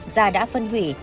da đã phân hủy